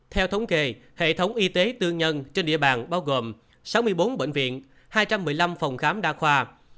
theo thống kê hệ thống y tế tư nhân trên địa bàn bao gồm sáu mươi bốn bệnh viện hai trăm một mươi năm phòng khám đa khoa